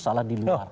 salah di luar